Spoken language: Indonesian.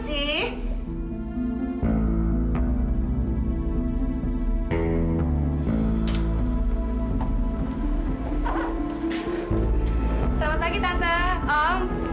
selamat pagi tante om